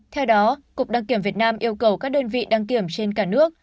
theo đó cục đăng kiểm việt nam yêu cầu các đơn vị đăng kiểm trên cả nước